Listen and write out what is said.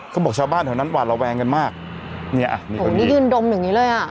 บอกชาวบ้านแถวนั้นหวาดระแวงกันมากเนี่ยโอ้นี่ยืนดมอย่างงี้เลยอ่ะ